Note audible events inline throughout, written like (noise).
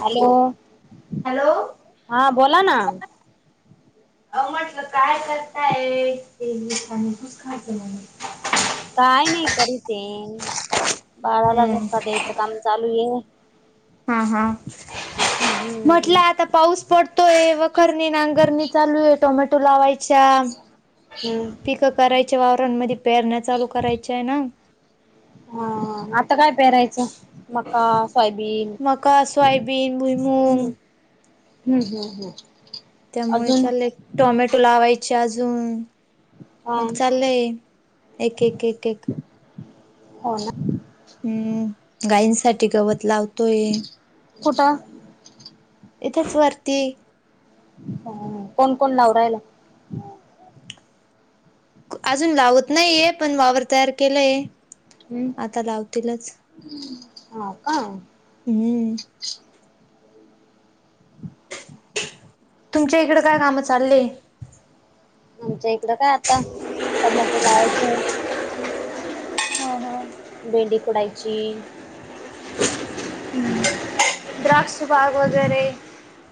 Hello hello हा बोला ना. अ म्हटलं काय करताय ते लुस खायचं म्हण. काय नाही करी ते बाळाला जर हम्म का द्यायचं काम चालू ये. हा हा म्हटलं आता. पाऊस पडतोय वखरनी नांगर चालू आहे टोमॅटो लावायच्या. हम्म. पिकं करायच्या वावरांमध्ये पेरण्या चालू करायच्या आहे ना. हा आता काय पेरायचं मग. फब ह मका सोयाबीन हम्म भुईमुग हम्म हम्म. त्यामुळे अजून चालले एक टोमॅटो लावायचे अजून. हा मग चाललंय एक एक एक एक. हो ना. हम्म. गायींसाठी गवत लावतोय. कुठं? इथेच वरती. हं कोण कोण लावू राहिला? अजून लावत नाहीये, पण वावर तयार केलाय. आता लावतीलच. हो का? हम्म. (inaudible) तुमच्या इकडं काय कामं चालले? आमच्या इकडं काय आता, टोमॅटो लावायचे आहे. हा हा भेंडी खुडायची. हं द्राक्ष बाग वगैरे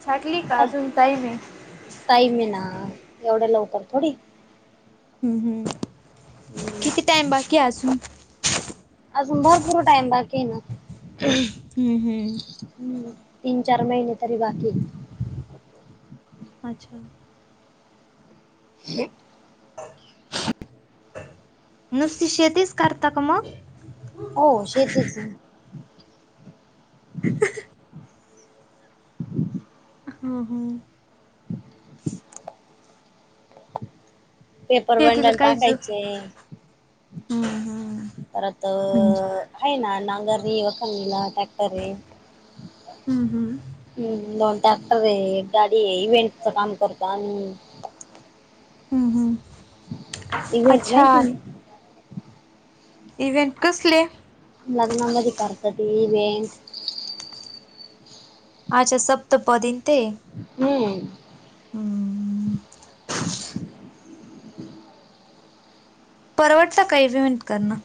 छाटली का आजून टाईम आहे? टाईम हाय ना एवढे लवकर थोडी. हम्म हम्म. हम्म किती टाइम बाकी आहे अजून? अजून भरपूर टाईम बाकी हाय ना. हम्म हम्म हम्म तीन चार महिने तरी बाकी आहे. अच्छा. (inaudible) नुसती शेतीच करता का मग? हो शेतीच. हम्म, हम्म. (inaudible) पेपर शेतीला बंडल काहीच टाकायचे. हम्म, हम्म. परत म्हणजे आहे ना नांगरणी वखांणीला टॅक्टर आहेत. हम्म, हम्म. हम्म दोन ट्रॅक्टर आहे, गाडी आहे इव्हेंटच काम करतो आम्ही. हम्म, हम्म. इव्हेंट अच्छा माहितीये ना. इव्हेंट कसले? लग्नामध्ये करता ती इव्हेंट. अच्छा सप्तपदी आणि ते. हम्म. हम्म. परवडत का इव्हेंट करणं?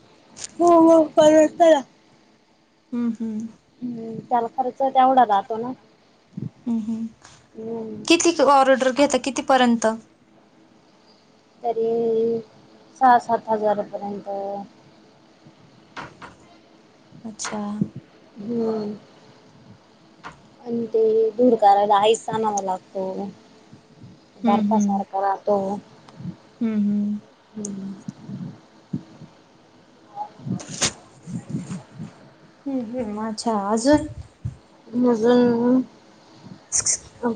हो हो परवडत ना. हम्म, हम्म. हम्म त्याला खर्च तेवढा जातो ना? हम्म, हम्म. हम्म किती ऑर्डर घेता, कितीपर्यंत? तरी सहा सात हजारापर्यंत. अच्छा. हम्म आणि ते दूर करायला (unintelligible) हो हम्म बर्फासारखा राहतो. हम्म, हम्म. हम्म. हम्म हम्म. मजा अजून अजून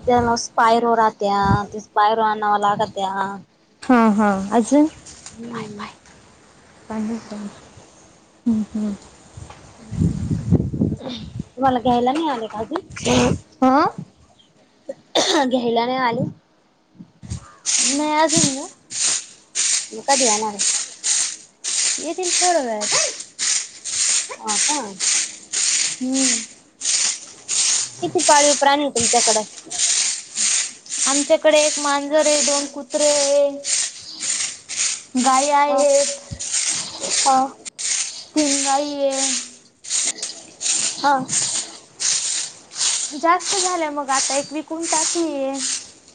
त्याला स्पायरो राहत्या, ते स्पायरो आणावं लागत्या. हा, हा. अजून? (inaudible) हम्म हम्म हम्म. तुम्हाला घ्यायला नाही आले का अजून? हां. घ्यायला आणि आले. नाय अजून गं. मग कधी येणार हाय? येतील थोड्या वेळात. हां का. हम्म. किती पाळीव हाय प्राणी तुमच्याकडे? आमच्याकडे एक मांजर आहे, दोन कुत्री आहे. गाई आहेत. हां. तीन गाई हाय. हा. जास्त झाल्या बघ आता, एक विकून टाकी.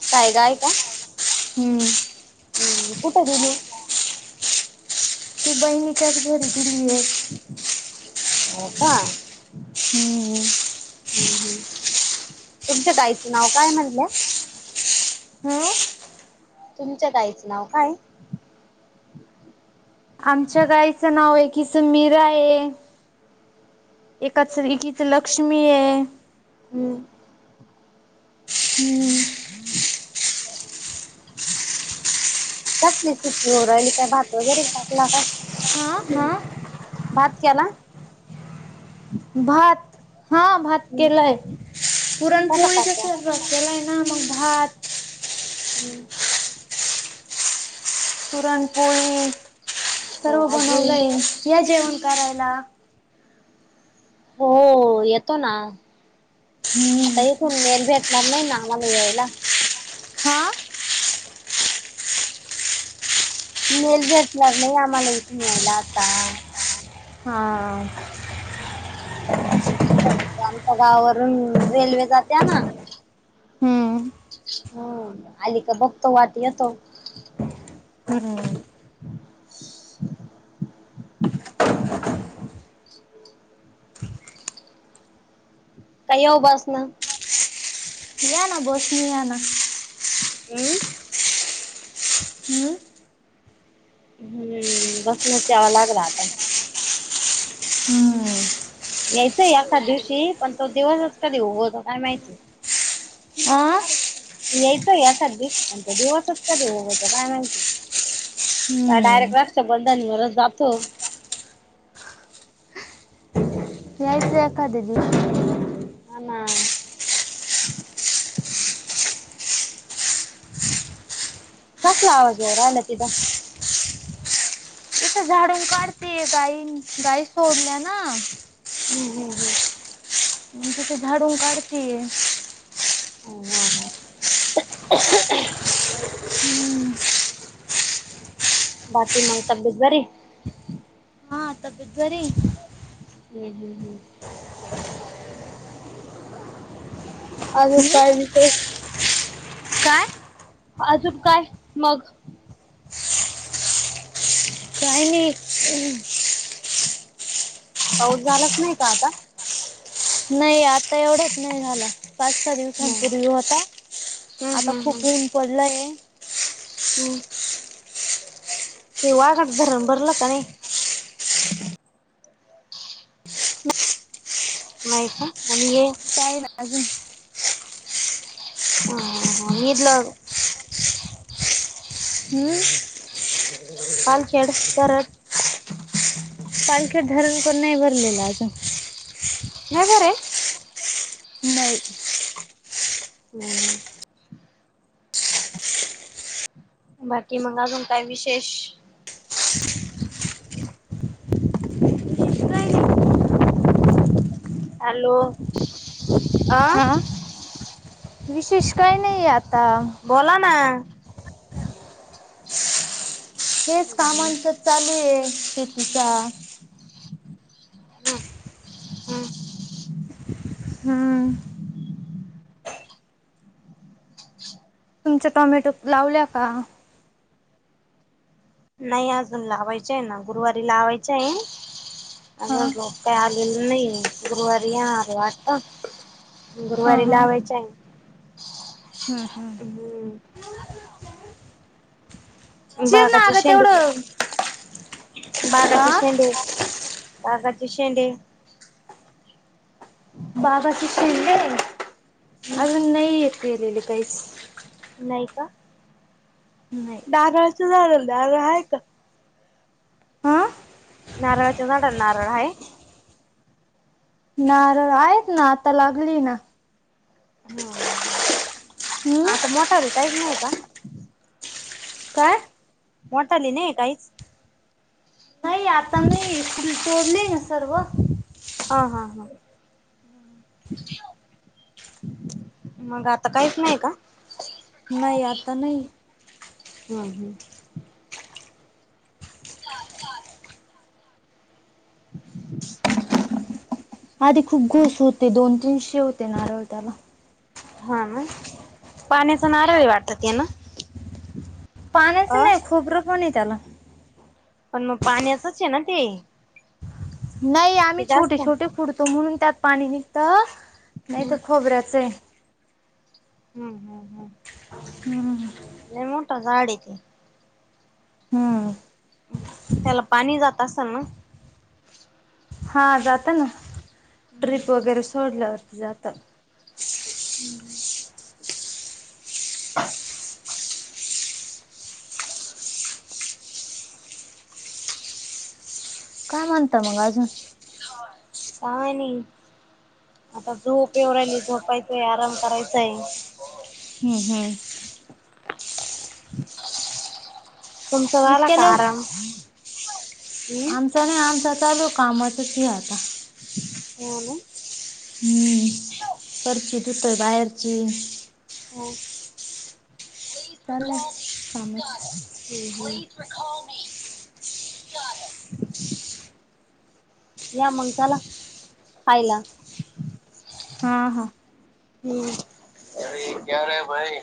(unintelligible) गाय का. हम्म. अं कुठं दिलू? ती (inaudible) हो का. हम्म. तुमच्या गाईचं नाव काय म्हटल्या? अं. तुमच्या गाईचं नाव काय? आमच्या गाईचं नाव, एकीचं मीरा आहे. एकाच एकीचं लक्ष्मी हाय. हम्म. हम्म. कसली सुट्ट हो, राहिले की भात वगैरे कापू लागा. हा हा भात केला? भात, हा भात हम्म केलाय. कसा पुरणपोळी करत्या? कसं रस्याला हाय ना मग भात हम्म. पुरणपोळी, हो सर्व अजून बनवलंय, या जेवण करायला. हो येतो ना. हम्म आता ये तून मेल भेटणार नाही ना, आम्हाला यायला. हा मेल भेटणार नाही, आम्हाला इथून यायला आता. हा. आमच्या आमच्या गावावरून रेल्वे जात्या ना हम्म हम्म आली का बघतो, वाट येतो. हम्म ह. नाही हो बसनं. या ना बसनं या ना. अं. अं. हम्म बसनच यावं लागल आता. हम्म. यायचंय एखाद दिवशी, पण तो दिवसच कधी उगवतो काय माहित. आ? यायचंय एखादी दिवस पण तो दिवसच कधी उगवतो काय माहिती. काय हम्म डायरेक्ट (unintelligible) जातो. एका दिली. हा ना. कसला आवाज येऊ राहिला तिथं? इथं झाडून काढतेय ताई. गाई सोडल्या ना. हम्म, हम्म, हम्म. मी इथं झाडून काढतेय. (unintelligible) बाकी मग तब्येत बरी? तू जरी हम्म, हम्म, हम्म. अजून काय विशेष? काय अजून काय मग? (inaudible) (unintelligible) पाऊस झालाच नाही का आता? नाही आता येवढ्यात नाही झाला पाच सहा हम्म दिवसांपूर्वी होता. हम्म आता हम्म खूप हम्म. ऊन पडलंय. हम्म. ते वाघड धरण भरलं का नाही? नाही का आणि ये काय नाही अजून? हा, हा (unintelligible) हम्म (inaudible) पालखेड तरड पालख्या धरण कोण नाही भरलेलं अजून. हे घर आहे? नाही. हम्म, हम्म. बाकी मी तुला मग अजून काय विशेष? (inaudible) हॅलो. आ? हा विशेष काही नाहीये आता. बोला ना. हेच काम इथंच चालू आहे शेतीचा. हम्म. हम्म. तुमच्या टॉमॅटो लावल्या का? नाही अजून लावायचं आहे ना, गुरुवारी लावायचं आहे. हा अजून रोप काही आलेली नाही, गुरवारी येणार हाय वाटतं. हा गुरुवारी हा लावायच आहे. हम्म हम्म हम्म चिर ना बागाची अगं शेंडग तेवढं बागाचे आ शेंडे, बागाचे शेंडे बाबाची पिले हम् अजून नाही येत येलेले काहीच. नाही का, नाही नारळाच झाडाला नारळ आहे का? हा नारळाच्या झाडांन नारळ आहे? नारळ आहेत ना, आता लागली ना. हम्म, हम्म. हम्म आता मोठाली काहीच नाही का? काय मोठालै नाही काहीच. नाही आता नाही फुल तोडली ना सर्व. हा हा हा. मग आता काहीच नाही का? नाही आता नाही. हा, हं. (inaudible) (inaudible) आधी खूप घोशे होते, दोन तीनशे होते नारळ त्याला. हा मग, पाण्याचा नारळ हाय वाटतं ते ना? पाण्याच अ नाय खोबरंपण हाय त्याला. आणि मग पाण्याचच आहे ना ते? नाही आम्ही ते छोटे जास्त छोटे फुडतो म्हणून त्यात पाणी निघतं. हम्म नाहीतर खोबऱ्याचं हाय. हम्म हम्म हम्म. हां. नाही मोठा झाड आहे ते. हां. त्याला पाणी जात असाल ना? हा जातं ना, ट्रिप वगैरे सोडल्यावरती जातं. हम्. काय म्हणता मग अजून? होय, काय नाही. आता झोप येेव राहिली झोपायचंय, आराम करायचंय. हं हं. (inaudible) तुमच झाला इतक्या लव आराम? हम्म. काय नाय, आमचं चालू हाय कामाचं ते आता. हो ना. हम्म, करते दुसरे बाहेरचे. हो चाललंय कामच. (unintelligible) (unintelligible) मी. या मग चला खायला. हां हां. अरे क्यारे भाई.